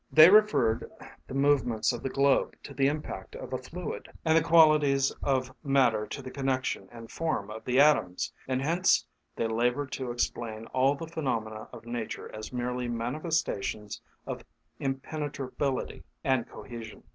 They referred the movements of the globe to the impact of a fluid, and the qualities of matter to the connection and form of the atoms, and hence they laboured to explain all the phenomena of nature as merely manifestations of impenetrability and cohesion.